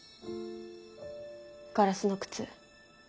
ガラスの靴。